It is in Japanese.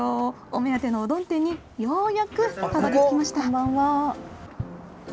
お目当てのうどん店にようやくたどり着きました。